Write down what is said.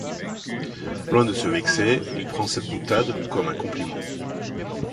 Loin de se vexer, il prend cette boutade comme un compliment.